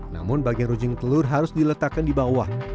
namun bagian rujing telur harus diletakkan di bawah